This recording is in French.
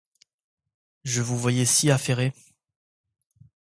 Je vous voyais si affairé.